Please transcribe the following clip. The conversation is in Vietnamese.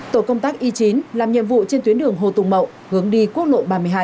tổ công tác y chín làm nhiệm vụ trên tuyến đường hồ tùng mậu hướng đi quốc lộ ba mươi hai